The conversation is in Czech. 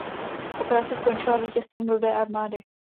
Operace skončila vítězstvím Rudé armády.